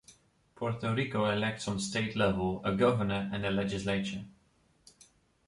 Puerto Rico elects on state level a governor and a legislature.